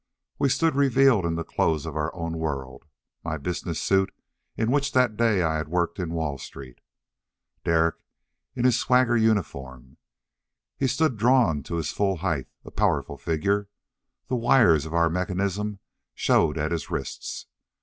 We stood revealed in the clothes of our own world. My business suit, in which that day I had worked in Wall Street. Derek in his swagger uniform. He stood drawn to his full height, a powerful figure. The wires of our mechanism showed at his wrists.